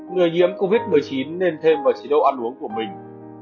người nhiễm covid một mươi chín nên thêm vào chế độ ăn uống của mình